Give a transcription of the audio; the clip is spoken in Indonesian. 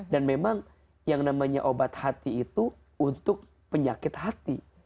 dan memang yang namanya obat hati itu untuk penyakit hati